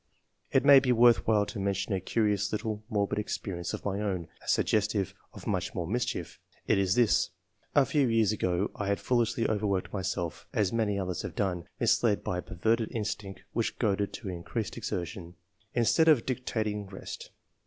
It may be worth while to mention a curious little morbid experience of my own, as suggestive of much more mischief ; it is this :— A few years ago, I had foolishly overworked myself, as many others have done, misled by a perverted instinct which goaded to increased exertion, instead of dictating rest.